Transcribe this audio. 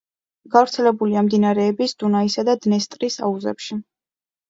გავრცელებულია მდინარეების დუნაისა და დნესტრის აუზებში.